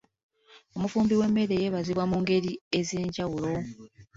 Omufumbi w'emmere yeebazibwa mu ngeri ez'enjawulo.